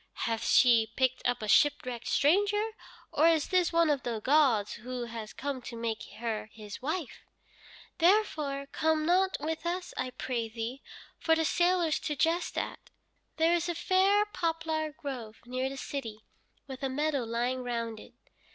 Hath she picked up a shipwrecked stranger, or is this one of the gods who has come to make her his wife?' Therefore come not with us, I pray thee, for the sailors to jest at. There is a fair poplar grove near the city, with a meadow lying round it.